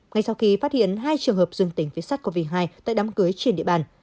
ngay sau khi phát hiện hai trường hợp dương tính viết sắt covid một mươi chín tại đám cưới chuyên địa bàn